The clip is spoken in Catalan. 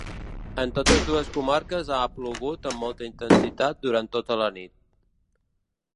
En totes dues comarques ha plogut amb molta intensitat durant tota la nit.